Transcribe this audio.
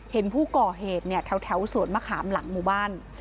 เห็นผู้ก่อเหตุเนี่ยแถวสวนมะขามหลังหมู่บ้าน